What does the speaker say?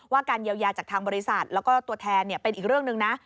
การเยียวยาจากทางบริษัทแล้วก็ตัวแทนเป็นอีกเรื่องหนึ่งนะ